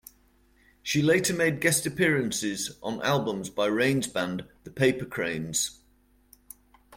She later made guest appearances on albums by Rain's band, the Papercranes.